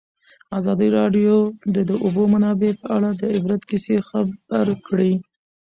ازادي راډیو د د اوبو منابع په اړه د عبرت کیسې خبر کړي.